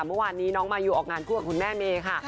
เมื่อวานนี้น้องมายูออกงานคู่กับคุณแม่เมย์ค่ะ